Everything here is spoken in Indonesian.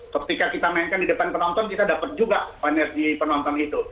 ketika kita mainkan di depan penonton kita dapat juga finergy penonton itu